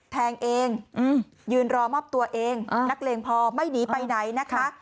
แทงเองยืนรอมอบตัวเองนักเลงพอไม่หนีไปไหนนะคะ